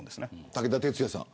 武田鉄矢さん